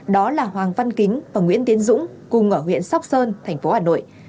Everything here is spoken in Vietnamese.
đó là hoàng văn kính và nguyễn tiến dũng cùng ở huyện sóc sơn thành phố hà nội